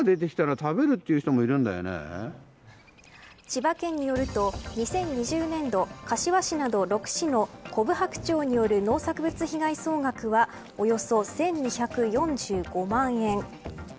千葉県によると２０２０年度、柏市など６市のコブハクチョウによる農作物被害総額はおよそ１２４５万円。